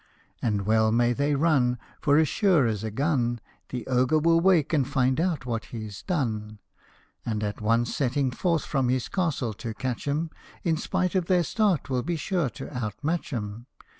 And well may they run, For as sure as a gun The Ogre will wake and find out what he 's done, And at once setting forth from his castle to catch 'em, In spite of their start will be sure to outmatch 'em.